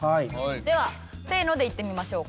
では「せーの」で言ってみましょうか。